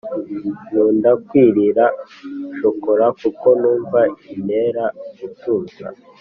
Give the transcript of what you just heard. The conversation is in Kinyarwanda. Nkunda kwirira shokola kuko numva inera gutuza